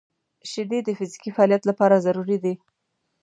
• شیدې د فزیکي فعالیت لپاره ضروري دي.